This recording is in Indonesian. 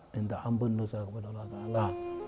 minta ampun dosa kepada allah ta'ala